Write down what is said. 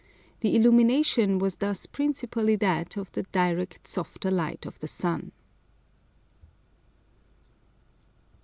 The illumination was thus principally that of the direct softer light of the sun.